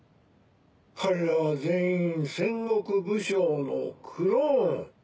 彼らは全員戦国武将のクローン。